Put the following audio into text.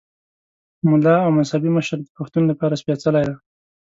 ملا او مذهبي مشر د پښتون لپاره سپېڅلی دی.